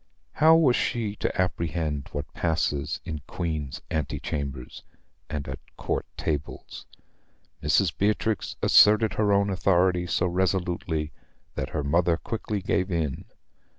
How was she to apprehend what passes in Queen's ante chambers and at Court tables? Mrs. Beatrix asserted her own authority so resolutely that her mother quickly gave in.